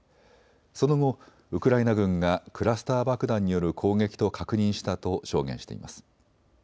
その後、ウクライナ軍がクラスター爆弾による攻撃と確認したと証言しています。